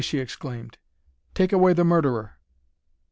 she exclaimed "take away the murderer!"